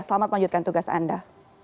selamat melanjutkan tugas anda